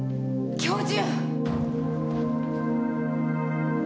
教授！